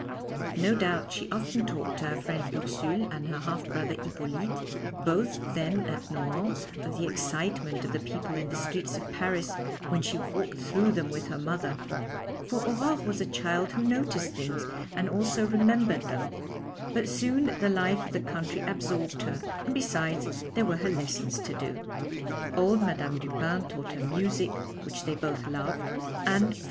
No doubt she often talked to her friend Ursule and her half brother Hippolyte, both then at Nohant, of the excitement of the people in the streets of Paris when she walked through them with her mother, for Aurore was a child who noticed things and also remembered them; but soon the life of the country absorbed her, and besides, there were her lessons to do. Old Madame Dupin taught her music, which they both loved, and from M.